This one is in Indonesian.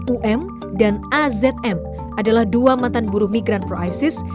um dan azm adalah dua mantan buruh migran pro isis